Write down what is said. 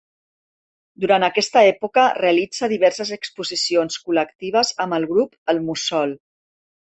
Durant aquesta època realitza diverses exposicions col·lectives amb el grup El Mussol.